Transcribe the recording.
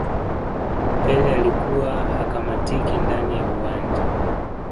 pele alikuwa hakamatiki ndani ya uwanja